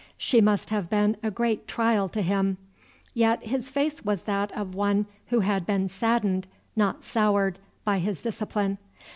She must have been a great trial to him; yet his face was that of one who had been saddened, not soured, by his discipline.